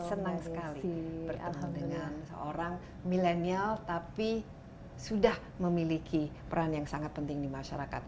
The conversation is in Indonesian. senang sekali bertemu dengan seorang milenial tapi sudah memiliki peran yang sangat penting di masyarakat